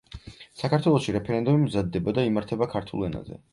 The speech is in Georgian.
საქართველოში რეფერენდუმი მზადდება და იმართება ქართულ ენაზე.